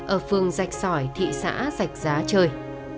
ở phương rạch sỏi thị xã rạch giá trời